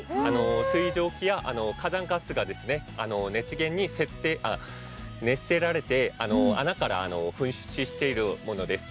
水蒸気や、火山ガスが熱せられて穴から噴出しているものです。